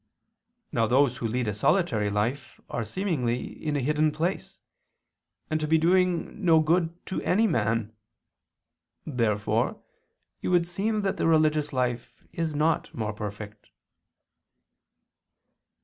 Now those who lead a solitary life are seemingly in a hidden place, and to be doing no good to any man. Therefore it would seem that their religious life is not more perfect.